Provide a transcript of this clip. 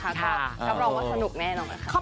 ก็รับรองว่าสนุกแน่นอนค่ะ